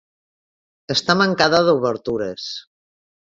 Està mancada d'obertures.